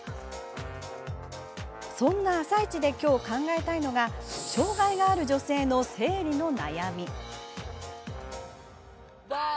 そんな「あさイチ」できょう考えたいのが障害がある女性の生理の悩み。